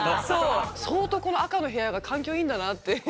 相当この赤の部屋が環境いいんだなって。